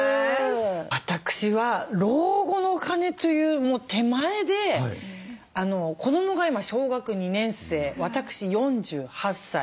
私は老後のお金というもう手前で子どもが今小学２年生私４８歳。